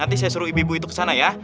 nanti saya suruh ibu ibu itu ke sana ya